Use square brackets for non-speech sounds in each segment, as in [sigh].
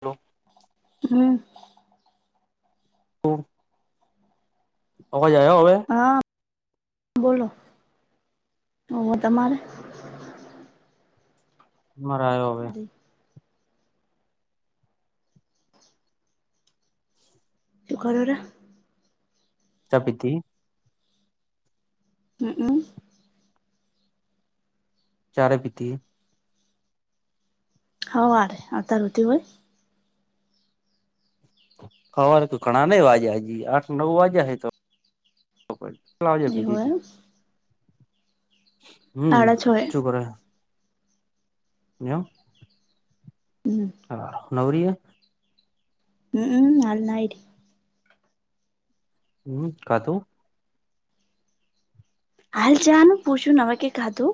Hello. હમ્મ. [unintelligible] અવાજ આયો અવે? હા બોલો ઓ તમારે. મરાયો હવે. તું કર ર ચા પીધી? ઉ ઉમ્મ ક્યારે પીધી? હવારે અત્યાર હુદી હોય હવારે તું ઘણા નહી વાગ્યાં હજી આઠ નવ વાજ્યા હે તો. કેટલા વાગે એ પીધી હોય તી હમ્મ સાડા છ એ ચુપ રહે ન્યાં આવ હમ હા નવરી હે ઉ ઉમ્મ હાલ નાઈટ હમ્મ ખાદુ હાલ ચા નું પૂછું ન હવે કે ખાદુ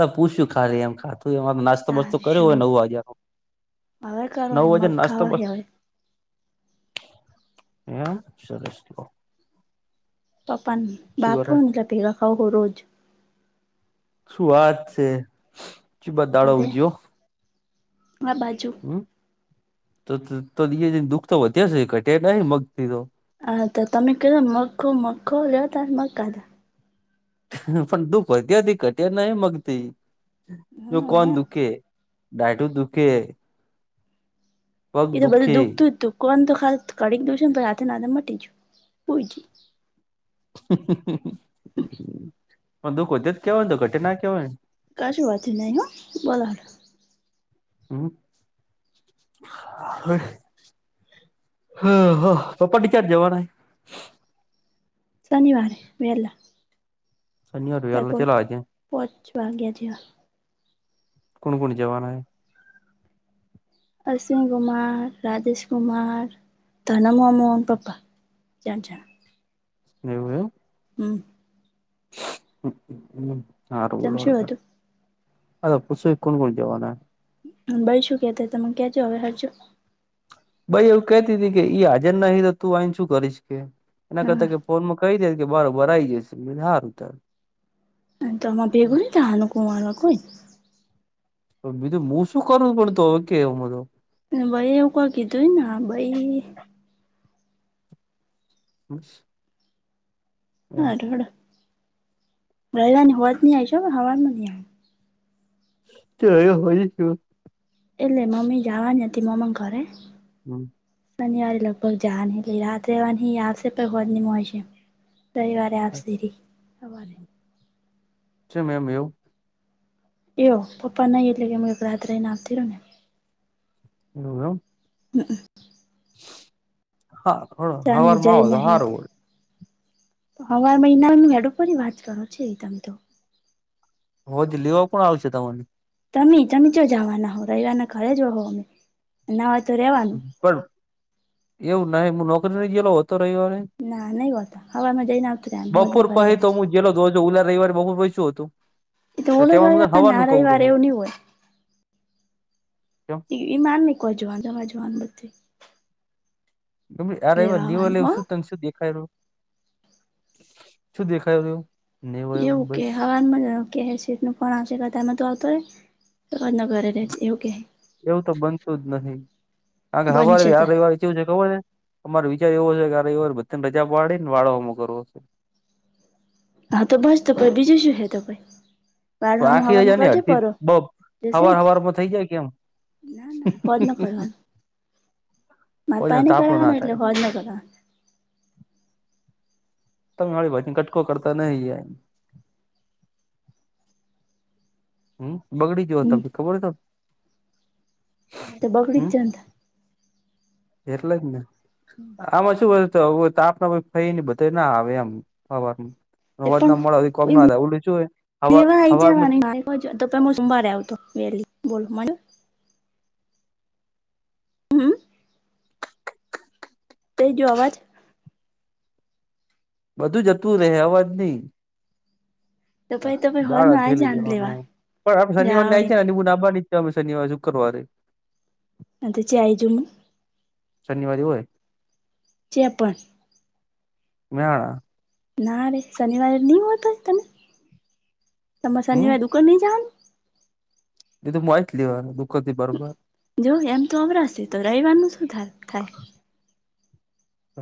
અરે પૂછ્યું ખાલી એમ ખાતું એમાં તો નાસ નાસ્તો બાસ્તો કર્યો હોય તારશું નવ વાગ્યાનો હવે કરો નવ હે મગ વાજ્યા નાસ્તો ખાવા હે બાસ્તો હવે એમ સરસ લો. પપાન શું બાપ કરે હું ન તે [unintelligible] રોજ. શું વાત છે? ચીબા દાડો અરે ઉજ્યો આ બાજુ હમ? તો તો [inaudible] દુઃખ તો વધ્યા છે ઘટે કાહે મગથી તો. હા તો તમે કયો મખો મખો લો તાર મખાન. પણ દુઃખ વધ્યા તી ખટ્યા નહી મગતી જો હમ કોણ દુખે. દાયઢું દુઃખે. એ તો બધું દુખે દુખતું જ તું. કોણ તો ખાસ કડીન દઉ છે ન તો હાથે ન હાથે મટી જયું. સુઈ જયું. પણ દુઃખો તે જ કેવાય તો ઘટે ના કેવાય. કશું વધ્યું નહી હ બોલો- હમ હ. હા હ તો પાડી ચાર જવાના. શનિવારે વેલા. શનિવારે વેલા કેટલા વાગે? પાંચ વાગ્યા જેવા કોણ કોણ જવાના? અશ્વિ કુમાર રાજેશ કુમાર ધનમ મોહન પપ્પા. જજ [unintelligible] એવું એમ હમ હ હ જમશું હતું રબલોડ. અ પુછો કોણ કોણ જવાના? ભાઈ શું કેતા તા ક્યાં જવાના છો. ભાઈ એવું કેહતી હતી કે ઈ હાજર નહી રેતુ તું આઇને શું કરીશ કે. એના હા કરતા કે ફોનમાં કહી દે કે બરોબર આવી ગયું છે મેં કે હારુ તાર. અ તમાં ભેગુ ની થાવાનું કુંવારમાં કોઈ? બીજુ હું શું કરુ પણ તો કેવ મધ. એને ભાઈએ એવુ કોઈ કીધું હોય ને ભાઈ. [unintelligible] હા રોડ, રહેવાની હોજ નહી આવે છે હવારમાં નહી આવે. તો રહ્યો હોયું તો. એટલે મમ્મી જાવાની હતી મામા ઘરે. હમ્મ. શનિવારે લગભગ જાવાની રાત રહેવાની આવશે પણ હોદ ની મળશે રવિવાર લે આપસી હવારે. છે મેમ એવુ. એવુ પપ્પા નહી એટલે કે મેં રાત રઈને આવતી રહો ને. એવું એમ. હમ્મ હમ્મ. હા હ ચાની હવારમાં આવો તો હારુ. હવા મહિના મેેડપરી વાત કરો છે તમે તો. હોજ લેવા કોણ આવશે તમને. તમે તમે જો ચિયો જવાના હો રવિવારના ઘરે જ રહો અમે ના હોય તો રેવાનું. પણ એવું નાહી હું નોકરી નહી ગેલો હોતો રવિવારે. ના નહી હોતા હવારમાં જઈને આવતું રેવાનું હો જ બપોર ની પડી પછી તો રેવાનું. હું ગેલો તો ઉલા રવિવારે બહુ શું હતું એ તો ઓલો તેવામાં રવિવાર ના હવારનું ખવું રવિવાર રહું. એવું નહી હોય ઇ ઇમાની કો જોવાનું જવા જવાનું નથી. તમે આ લેવા રવિવારે દીવો આવવાનું લેવું હો શું તને શું દેખાય રહ્યુ શું દેખાય રહ. એવું કે હવારમાં જ આવ. કે સેઠ નો ફોન આવશે કતામાં તો આવતો હોય નગરે ઘરે રહેજે એવું કહે. એવું તો બનતું જ નથી કારણ કે હવારે બનશે આ તા રવિવારે કેવું છે ખબર અમારો વિચાર એવો છે કે આ રવિવારે બધાને રજા પાડી ને વાળો અમ કરવો છે. હા તો બસ તો બીજું શું હે ત પહી. બાર પણ હું આખી હવામાં રજા ને મુકાલવજે અડધી પડો બપ જસે. હવાર હવારમાં થઈ જાય કેમ ના-ના ફોન ન કરવાનું. માર પાહે ની તાપણું ના કરાવાનો થાય એટલે હોજ ન કરવાનું. તો માં ભજન કટકો કરતા નહી. હમ્મ બગડી જોયો હમ તમને ખબર ત. હમ્મ તે બગડી હમ જ જાય ન. એટલે જ ને. આમાં શું તાપ ફઈને બધા ના આવે એમ. હવારમાં. તે અવાજ પણ ના મળવા કોમ ના થાય ઓલું શું હ હવા માંજ. હજ તો તમે સોમવારે આવતો વહેલી બોલો મને. હમ્મ. તે ગ્યો અવાજ. બધું જતું રહે અવાજ નહી. તો પહી તો પહી દાળ હોજનો આઈ થેલી લેવા જવાનું પણ આપે શનિવાર ને આવી જાવડીન છેને બુ નાબવાની. અમે શનિવારે, શુકરવારે. હ તો ચાય જો ને. શનિવારી હોય. છે પણ. મેળા. ના રે શનિવારે નહી હોતો, તમે હમ શનિવારે દુકાને નહી જાવાનું. એ તો મું આઈ જ લેવાને દૂકોન થી બારોબાર. જો એમ તો અમારા તો રવિવારનું શું થાય થાય.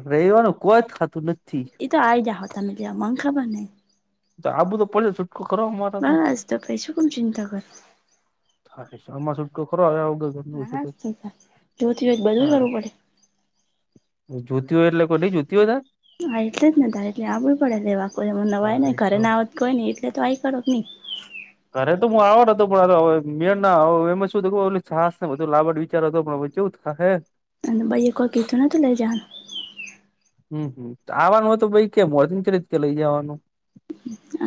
રવિવારે કોઈ જ થાતું નથી. એ તો આઈ જાય હતા તમે મને ખબર ને. આ બુંધ તો પડે છુટકો કરવા મારે તો. તમે શું કામ ચિંતા કરે. હાલે એમાં [unintelligible] ઉભો. હા એવું બધું કરવું પડે. જોટી હોય એટલે કોઈ નઈ જુત હોત. હા, એટલે જ ને તારે એટલે આવડું પડે લેવાઈ તારે નવાયને શું ઘરેના આવત કોઈ નઈ એટલે તો ટ્રાઈ કરો જ નહી. ઘરે તો હું આવાનો હતો પણ મે એ શું છાસ ને બધું લાવવા વિચાર હતો, પણ હવે [unintelligible] અને ભાઈએ કાંઈ કીધું નહિ ને જાન. હમ્મ, આવવાનું હોય તો કેમ હોત તરત કે લઈ જવાનું.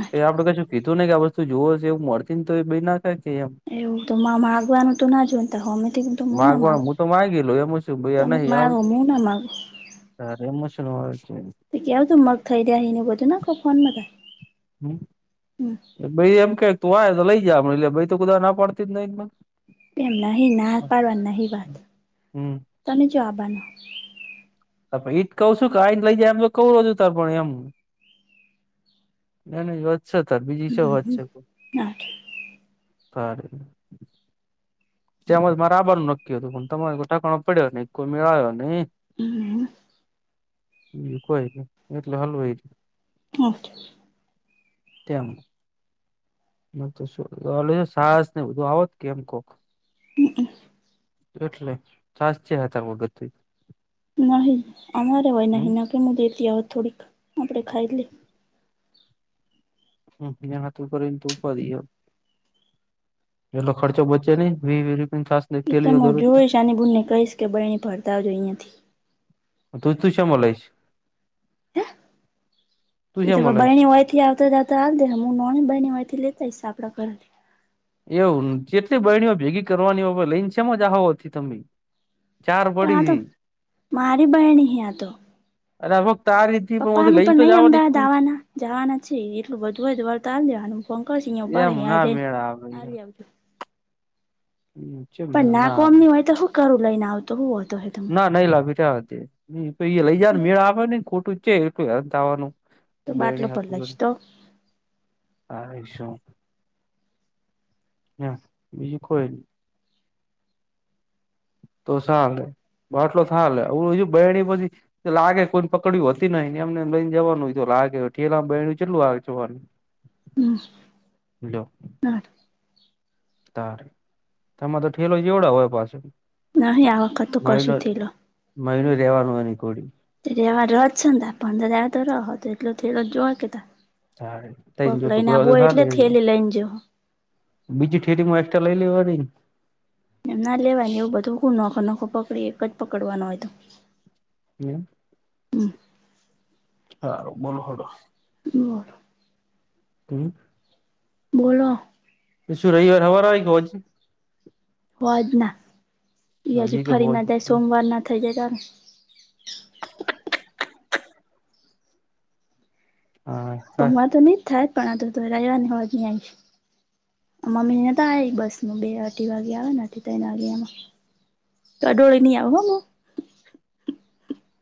તો એ આપણે કશું કીધું નહિ કે આ વસ્તુ જોવો હશે એવું મળતી ને તો એ નાખાય કે એમ. એવું તોમા માગવાનું તો ના જોયને અમે તો હું ના માગવા માગું. હું તો માગી લઉ એમાં શું તમે તો મારો હું ના મારું મુ ના માગો. હા એમ છે. કેવો મગ થઈ જાયને બધું ના કહો ફોનમાં. હમ્મ. હમ્મ. ભાઈ એમ કે તું આતો લઈ જે એટલે ભાઈ તો ના પાડતી જ નહી. એમ નહી, મેં ના પાડવાની નવી વાત, હમ તમે જવાબ આપવાના. એજ જ કહું છું કે આઈ લઈ જાય એમ તો એવું હતું ત પણ એમ. ના નહી વધશે તારે બીજી વધશે. સારુ. અમેતો બરાબરનું નક્કી હતું પણ તમારે કોઈ ઠેકાણો પડ્યો નહી કોઈ મેળ્યો નહી. બીજ કોઈ એટલે એવું એ. [unintelligible] તેમ. તો સાસને બધું [unintelligible] કેમ કહો. એટલે છાશ [unintelligible] નહી, અમારે હોય નહી, ના કે હું દેતી આપણે ખાઈ લઇએ થોડીક આપણે ખાઈ લેય. એકબીજા રહીને [unintelligible] એટલે ખર્ચ બચે ને વીસ-વીસ રૂપિયાની છાશ. એ ત હું જોઈશ આની બેનને કહીશ કે બેન ફરતા અહીંયાથી. તું શેમાં લઈશ? હું? તું એ તો શેમાં લઈશ બરણી હોય, અયથી આવતા જ રેવાદે હું નોની બની એ તો હિસા આપણા કરી એવું કેટલી બરણીઓ ભેગી કરવાની હોય લઈને શેમાં જવાનુ તો? પણ આ તો, મારી બાળણી આ તો. લગભગ તારી જ પપ્પા ને પણ નહી અમદાવાદ આવવાના જવાના છે, એટલું બધું જ વળતા આવી દેવા ફોન કરશે અહીંયા ઉભા રેય અહીં જાય. ખરાબ આ લય આવજો. હમ્મ, શબગણના ક્યુ લઈને આવતો હવે હતો. હા નઈ લેય, ભેટા લઈ જને મેળામાં આવે ને ખોટું છે એટલું અંત આવવાનું. તો બાટલો બેડી પર હથું લઈશ તો હા એ શું? બ છે કોઈ? તો સાલેે બાટલો થાલેે, હ બીજું બહેણી પછી? લાગે કોઈને પકડ્યું હતી નહીને એમને લઈને જવાનું હોય, તો લાગે ઠેલામાં બહે કેટલું આવે જવાનું? હેલો ના ત તમારે તો ઠેલો જેવડા હોય પાછો નહી આ વખત તું મહિનો કશું થેલો મહિનો રહેવાનું હોની કોડી તવા ર છેને ત પંદર તો રહ હતો. એટલો થલો જોવા કેતા તારે તઈન કોઈક જો લઈને ટુકડા આ હોય તો બોય એટલે ચાલે થયેલી લઈને જ બીજી થેરીમાં એક્સ્ટ્રા લઈ લેવા એમ ના લેવાની એવું બધું નોખો નોખો પકડી એક જ પકડવાનો હોય તો. એમ હમ હારુ બોલો હડો બોલો હમ્મ બોલો એ શું રહી વાર હવાર એક ગ હજ- હોજ ના એ હજી કે ફરી હોજ ના જાય સોમવાર ના થઇ જાય તાર હા સોમવાર તો નહી જ થાય પણ આ તો તો ર આવવા હોવા નહીં આવીશ. મમ્મીને તો આ બસ બે અઢી વાગ્યા આવે ત્રણ વાગ્યા એમાં તો આ ડડોળ નની આવ હ.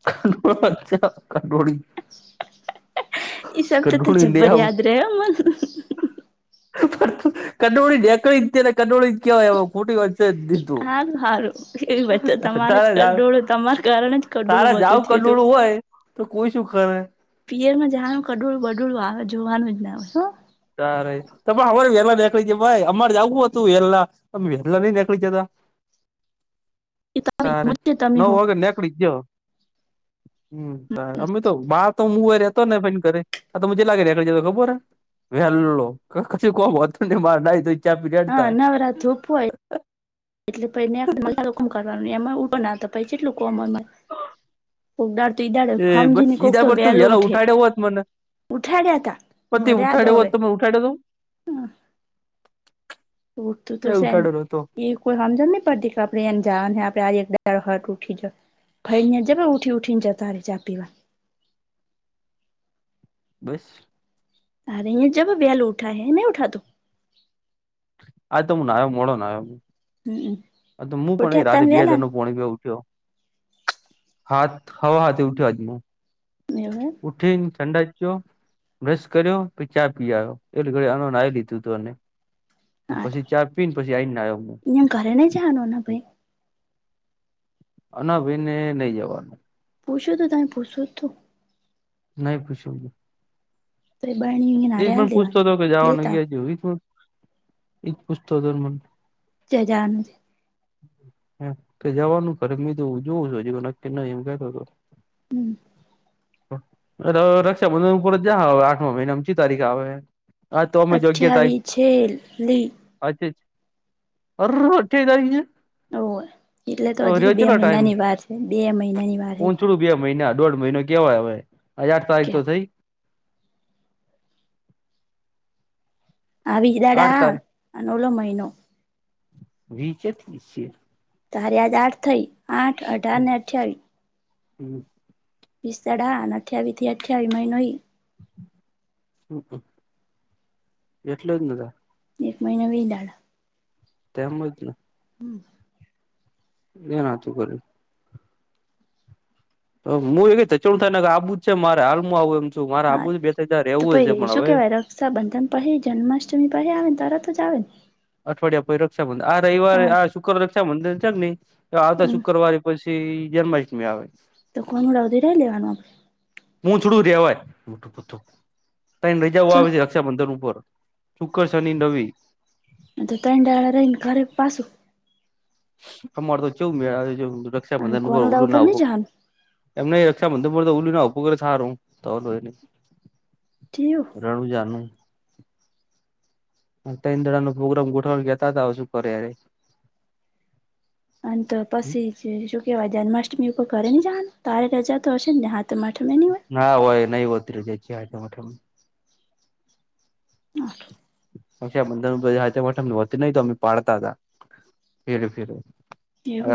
કડોચા કંડોડી ઈ સબ તો તો જબ્બર યાદ રહે મન [unintelligible] કંડોળી કેવાય એ ખોટી વચ્ચે જ દીધુ હારું હારું એવી વચ્ચે તમારે જ કડોળું તમારા કારણે જ કડોળું તારા જાાવ બધું થયું હતું કલોોળું હોય તો કોઈ શું કરે પિયરમાં જનું કડોળું બડડું આવે જોવાનું જ ના હોય. તારે તો ભાઈ અમારે વેરલા દેખળ છે ભાઈ અમારે જું હતું વેલા, અમ એલા ન જાકલી જ હતા. [unintelligible] તમે નવ હો [unintelligible] તો ન કરે આ તો મજે લાગે રાખડી જ તો ખબર! [unintelligible] રેડતા હા નવરાત્રપ હોય. એટલે પને બધા લોકોમ કરવાનું એમાં પણ નાતો પ કેટું અમરમાં કોક દાળ તો ઈ ડડે એ બસ સમમજીને કોક ઈદા તો પર તું વહેલું વેલો ઉઠે! ઉઠાડ્યો હોત મને ઉઠાડ્યા તા હ પતિ ર્યાદો ઉઠાડ્યો હોત હવે. તો મને ઉઠાડ્યો તો ઉતું એ તોશે ઉઠાડ્યો હતો એક કોઈ સમજણ ન પડતી કે આપડે એ જાન હે આપડે એક હ ઉઠી જ, [unintelligible] વા ઉઠી ઉઠી ને જતા ર ચા પીવા. બસ અરે જબ વ્યાલ ઉઠા હ નહી ઉઠા તો, આજ તો હું ના આવ્યો મોડો ના હમ આવ્યો હું પણ એ ઉઠ્યા રાતે તમે બે હજ ન વહેલા નો [unintelligible] સાત સવા સાથે ઊઠ્યો આજ એવે એમ ઉઠીન સાંડશ જયો બ્રશ કર્યો પછી ચા પી આવ્યો એલે ઘડ આનો નાઈ લીધું તું પછી ચા પીને પછી આવીઈને આવ્યોને એમ ઘરે નહીં જવાનું ને ભાઈ હ ના બેાઈને નઈ જવાનું પુછો તું તમે પુછો તો નહી પૂછાયું [unintelligible] એજ પણ પૂછતો દેવાની કે જવા ન લેતા ગયા છે એ પણ એજ પૂછતો પણ ક્યાં જવાનું હ તો જવાનું ખરે મે તો જોવું છ હ નકકી નહી એમ કેતો હતો હમ રક્ષાબંધન ઉપર જા હવે આઠમા મહિનામાં કઈ તારીખે આવે હા તો અઠાવીસ છેલ્લી અચ્છા અચ્છા અઠવીશ તારિક છે. ઓ એટલે તો હજી તો રહ્યો બે કેટલો ટાઈમ મહિનાની વાર છે બે મહિનાની વાર હ પોહચડું બે મહિના દોઢ મહિનો કેવાય હવે આજ આઠ તારીખ કે તો થઈ આ વીજ આઠ દાડા તારીખ આન આલો મહિનો વીચે છે. તાર યાદ આઠ થઈ આઠ અઢાર ને અઠ્યાવીસ હમ વીસ દડા અને અઠ્યાાવીસથી અઠાવીસ મહિનો ઈ હ એટલે જેન એક મહિના વીસ દાડા તેમજ હમ એન તું કર તો હું એ ક ચુણ થ આવુ જ છે મારે હાલમાં આવવું એમ છું મારે હા આવુ જ બે ત્રણ દડા તો રહેવું જ છે પહી પણ શું હવે કેવાય રક્ષાબંધન પહેે જન્માષ્ટમી પહે આવે તરત જ જા આવે અઠવાડિયા પછી રક્ષાબંધન આ રવિવારે હા આ શુક્રવારે રક્ષાબંધન છે નહી આવતા હમ શુક્રવારે પછી જન્માષ્ટમી આવે તો કાનુડા ઉડાવધેરાય લેવાનું આપણે [unintelligible] રજા આપડે આવે રક્ષાબંધન ઉપર શુક્રવારે અને રવી અતો ત્રણ દડા રહીને ઘરે પાસું અમાર તો જોવું મે અને રક્ષાબંધન ઉપર કોનુડા ઓલું ના નહી હું જવાનું એમને એ રક્ષાબંધન તો ઉલી ના હોું કરે સારું તોય નહી [unintelligible] રણુંજાનું ત્રણ દડા ન પ્રોગ્રામ ગોઠવા ગેતા હતા હ શું કરે યરે અ તો પછી શ કેવાય જન્માષ્ટમી ઉપર ઘરે નહિં જવાનું તારે રજા તો હશે ને હાથ આઠમે ની હોય. નાા હોય નહી ઓતરી જાય છે સાતમ આઠમ હા [unintelligible] તો અમેમે પાડતા હતા ફેરે ફેરે એવું હ.